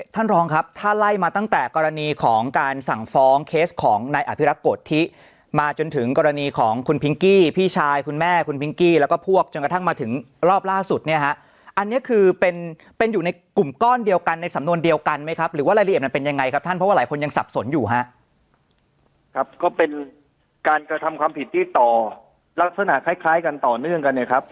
ท่านรองครับถ้าไล่มาตั้งแต่กรณีของการสั่งฟ้องเคสของนายอภิรักษ์กฎที่มาจนถึงกรณีของคุณพิงกี้พี่ชายคุณแม่คุณพิงกี้แล้วก็พวกจนกระทั่งมาถึงรอบล่าสุดเนี่ยฮะอันนี้คือเป็นเป็นอยู่ในกลุ่มก้อนเดียวกันในสำนวนเดียวกันไหมครับหรือว่ารายละเอียดมันเป็นยังไงครับท่านเพราะว่าหลายคนยัง